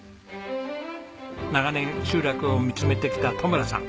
長年集落を見つめてきた戸村さん。